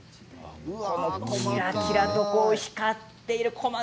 キラキラと光っている。